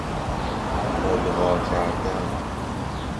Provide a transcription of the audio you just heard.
ملغی کردن